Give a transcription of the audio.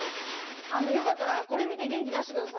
よかったらこれ見て元気出してください。